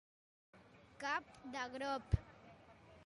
Cap de grop.